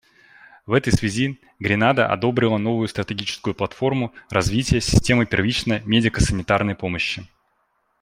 В этой связи Гренада одобрила новую стратегическую платформу развития системы первичной медико-санитарной помощи.